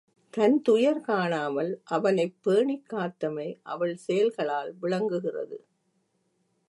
தன் துயர் காணாமல் அவனைப் பேணிக் காத்தமை அவள் செயல்களால் விளங்குகிறது.